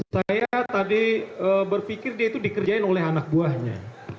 saya tadi berpikir dia itu dikerjain oleh anak buahnya